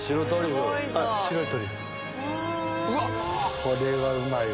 これはうまいわ。